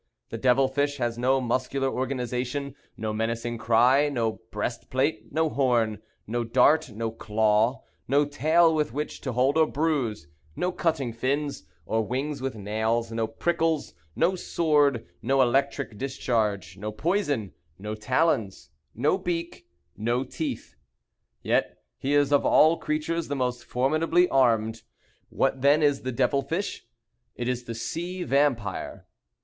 The devil fish has no muscular organization, no menacing cry, no breastplate, no horn, no dart, no claw, no tail with which to hold or bruise; no cutting fins, or wings with nails, no prickles, no sword, no electric discharge, no poison, no talons, no beak, no teeth. Yet he is of all creatures the most formidably armed. What, then, is the devil fish? It is the sea vampire.